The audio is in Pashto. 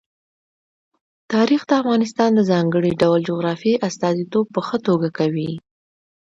تاریخ د افغانستان د ځانګړي ډول جغرافیې استازیتوب په ښه توګه کوي.